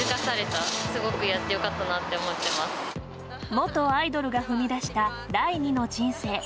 元アイドルが踏み出した第二の人生。